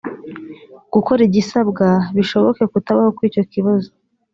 gukora igisabwa bishoboke kutabaho kw icyo kibazo